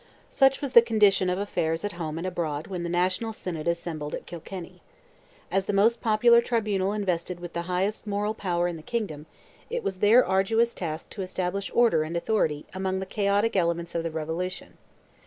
Such was the condition of affairs at home and abroad when the National Synod assembled at Kilkenny. As the most popular tribunal invested with the highest moral power in the kingdom, it was their arduous task to establish order and authority among the chaotic elements of the revolution.